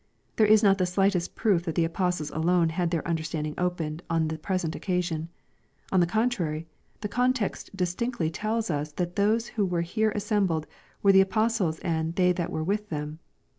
— There is not the slightest proof that the apostles alone had their "understandings opened" on the present occasion. On the contraiT, the context distinctly tells us that those who were here assembled were the apostles and " they that were with them."